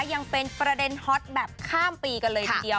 ยังเป็นประเด็นฮอตแบบข้ามปีกันเลยทีเดียว